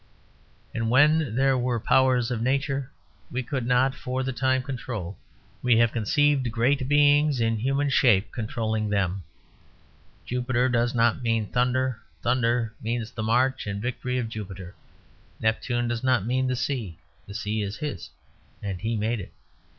And when there were powers of Nature we could not for the time control, we have conceived great beings in human shape controlling them. Jupiter does not mean thunder. Thunder means the march and victory of Jupiter. Neptune does not mean the sea; the sea is his, and he made it.